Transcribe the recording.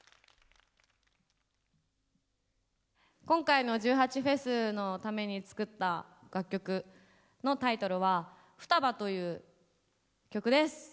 今回の１８祭のために作った楽曲のタイトルは「双葉」という曲です。